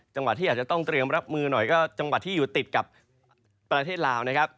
จังหวัดที่อาจจะต้องเตรียมรับมือหน่อยก็จังหวัดที่อยู่ติดกับประเทศลาวนะครับ